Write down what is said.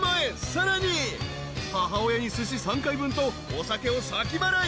［さらに母親にすし３回分とお酒を先払い］